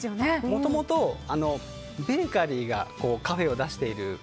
もともとベーカリーがカフェを出している。